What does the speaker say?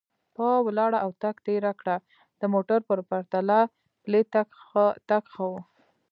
په ولاړه او تګ تېره کړه، د موټر په پرتله پلی تګ ښه و.